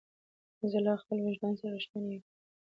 زه له خپل وجدان سره رښتینی یم.